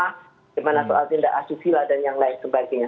bagaimana soal tindak asusila dan yang lain sebagainya